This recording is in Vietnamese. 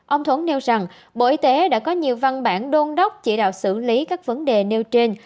ông thống nêu rằng bộ y tế đã có nhiều văn bản đôn đốc chỉ đạo xử lý các vấn đề nêu trên